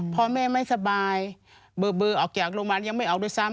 พ่อแม่ไม่สบายเบอร์ออกจากโรงพยาบาลยังไม่ออกด้วยซ้ำ